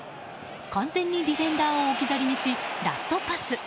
完全にディフェンダーを置き去りにし、ラストパス。